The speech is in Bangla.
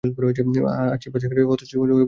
হাবশী বাদশার কাছে হেরে, হতশ্রী হতমান হয়ে বসে পড়েছে।